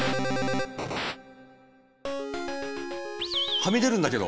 はみ出るんだけど！